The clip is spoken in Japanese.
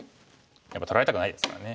やっぱり取られたくないですからね。